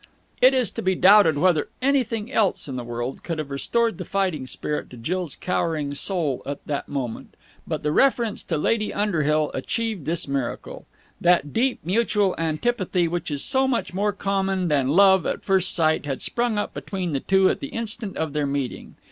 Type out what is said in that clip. It is to be doubted whether anything else in the world could have restored the fighting spirit to Jill's cowering soul at that moment; but the reference to Lady Underhill achieved this miracle. That deep mutual antipathy which is so much more common than love at first sight had sprung up between the two at the instant of their meeting.